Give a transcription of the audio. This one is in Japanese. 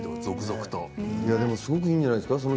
すごくいいんじゃないですか。